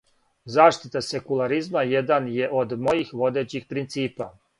Заштита секуларизма један је од мојих водећих принципа.